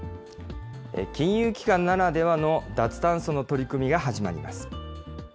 金融機関ならではの脱炭素の取り組みが始まります。